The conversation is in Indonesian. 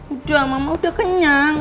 udah mama udah kenyang